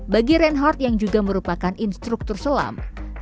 bagi reinhardt yang juga merupakan instruktur selam